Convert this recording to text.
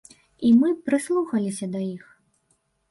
І мы прыслухаліся да іх.